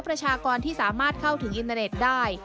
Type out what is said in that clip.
ประชากรที่สามารถเข้าถึงอินเตอร์เน็ตได้